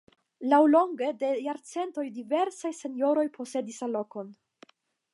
Laŭlonge de jarcentoj diversaj senjoroj posedis la lokon.